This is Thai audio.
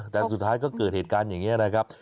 แต่สุดท้ายก็เกิดเหตุการณ์อย่างนี้นะครับ